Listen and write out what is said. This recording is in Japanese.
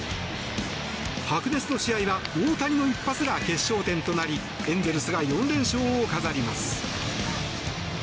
白熱の試合は大谷の一発が決勝点となりエンゼルスが４連勝を飾ります。